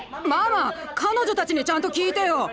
ママ彼女たちにちゃんと聞いてよ！